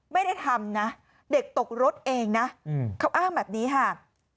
ไม่ได้ทำนะเด็กตกรถเองนะเขาอ้างแบบนี้ค่ะ